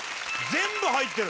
全部入ってる。